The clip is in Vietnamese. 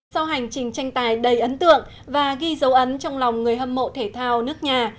sau hành trình tranh tài đầy ấn tượng và ghi dấu ấn trong lòng người hâm mộ thể thao nước nhà